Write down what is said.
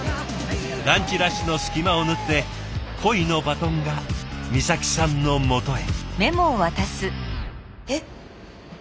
ランチラッシュの隙間を縫って恋のバトンが美咲さんのもとへ。